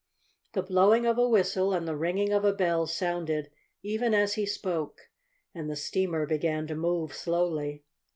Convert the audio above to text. The blowing of a whistle and the ringing of a bell sounded even as he spoke, and the steamer began to move slowly.